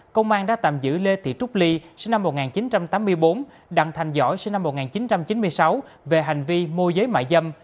công an đã tạm giữ lê thị trúc ly sinh năm một nghìn chín trăm tám mươi bốn đặng thành giỏi sinh năm một nghìn chín trăm chín mươi sáu về hành vi mô giới mại dâm